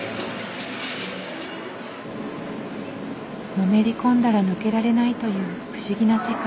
のめり込んだら抜けられないという不思議な世界。